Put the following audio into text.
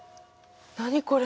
何これ？